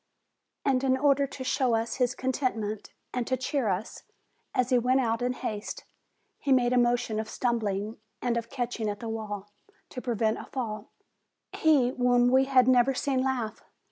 And, in order to show us his contentment, and to cheer us, as he went out in haste, he made a motion of stumbling and of catching at the wall, to prevent a fall; he whom we had never seen laugh!